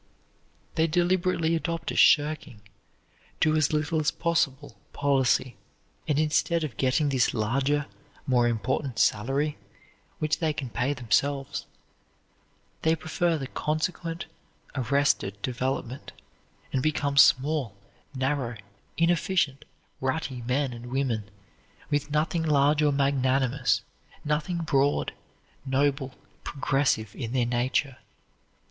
They deliberately adopt a shirking, do as little as possible policy, and instead of getting this larger, more important salary, which they can pay themselves, they prefer the consequent arrested development, and become small, narrow, inefficient, rutty men and women, with nothing large or magnanimous, nothing broad, noble, progressive in their nature.